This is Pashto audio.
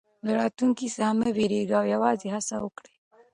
له راتلونکي څخه مه وېرېږئ او یوازې هڅه وکړئ.